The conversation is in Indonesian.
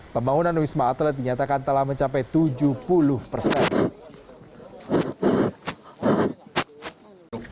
pembangunan wisma atlet dinyatakan telah mencapai tujuh puluh persen